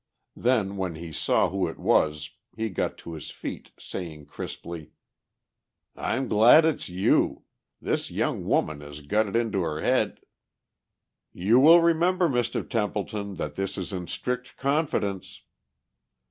Then when he saw who it was he got to his feet, saying crisply: "I'm glad it's you. This young woman has got it into her head ..." "You will remember, Mr. Templeton, that this is in strict confidence?"